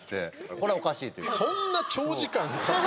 これはおかしいという。